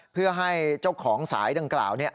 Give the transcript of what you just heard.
เพื่อให้เจ้าของสายดังกล่าว